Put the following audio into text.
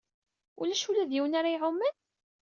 Ulac ula d yiwen ara iɛummen?